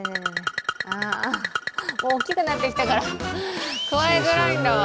大きくなってきたから、くわえづらいんだわ。